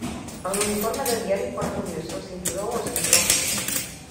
En l'uniforme de diari pot reduir-se al cinturó, o al cinturó amb cingles.